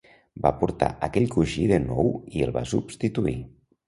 Va portar aquell coixí de nou i el va substituir.